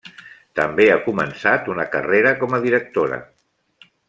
També ha començat una carrera com a directora.